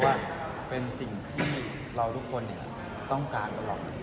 ว่าเป็นสิ่งที่เราทุกคนต้องการตลอด